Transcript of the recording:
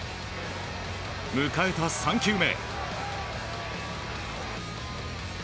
迎えた３球目。